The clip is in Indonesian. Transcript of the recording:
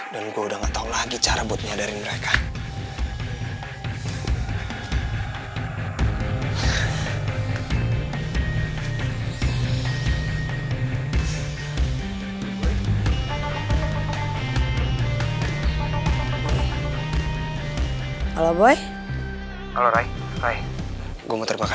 dan gua udah gak tau lagi cara buat menyadarin mereka